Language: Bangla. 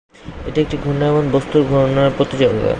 এটি একটি ঘূর্ণায়মান বস্তুর ঘূর্ণনের প্রতি জড়তা।